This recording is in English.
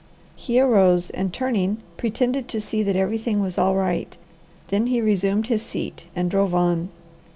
He arose, and turning, pretended to see that everything was all right. Then he resumed his seat and drove on.